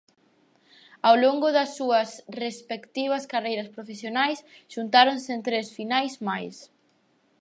Ao longo das súas respectivas carreiras profesionais xuntáronse en tres finais máis.